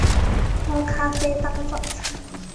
喝咖啡当早餐